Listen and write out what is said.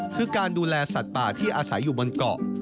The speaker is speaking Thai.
คือการดูแลสัตว์ป่าที่อาศัยอยู่บนเกาะ